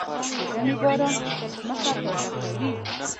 د ژمي باران ځمکه تازه کوي.